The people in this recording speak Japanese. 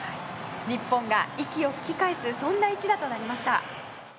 日本が息を吹き返すそんな一打となりました。